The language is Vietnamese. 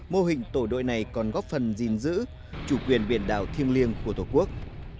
mô hình tổ đội này còn góp phần gìn giữ chủ quyền biển đảo thiêng liêng của tổ quốc